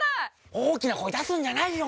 大きな声出すんじゃないよ！